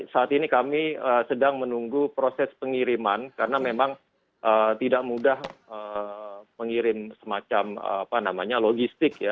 saat ini kami sedang menunggu proses pengiriman karena memang tidak mudah mengirim semacam logistik ya